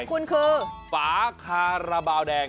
คุณคือฝาคาราบาลแดง